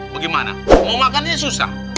bagaimana mau makan dia susah